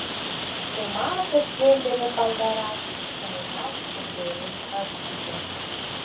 Тымарте шкем дене палдараш мыйынат тептерем ыш сите.